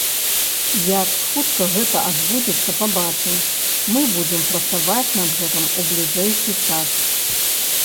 Як хутка гэта адбудзецца, пабачым, мы будзем працаваць над гэтым у бліжэйшы час.